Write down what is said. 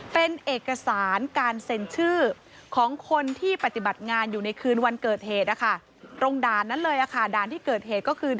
เป็นเอกสารการเซ็นชื่อของคนที่ปฏิบัติงานอยู่ในคืนวันเกิดเหตุ